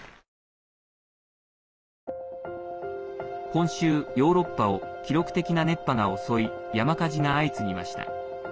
今週、ヨーロッパを記録的な熱波が襲い山火事が相次ぎました。